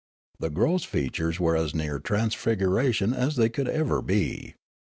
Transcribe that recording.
The gross features were as near transfiguration as they could ever be.